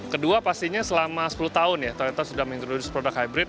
kedua pastinya selama sepuluh tahun ya toyota sudah mengintroduce produk hybrid